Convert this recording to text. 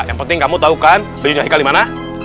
yang penting kamu tahu kan badunya haikal di mana